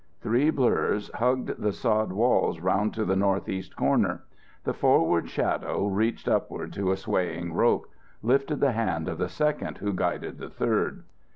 Three blurs hugged the sod walls around to the north east corner. The forward shadow reached upward to a swaying rope, lifted the hand of the second who guided the third.